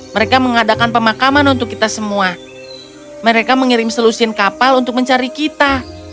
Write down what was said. mereka mengadakan pemakaman untuk kita semua mereka mengirim selusin kapal untuk mencari kita